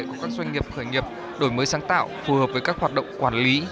của các doanh nghiệp khởi nghiệp đổi mới sáng tạo phù hợp với các hoạt động quản lý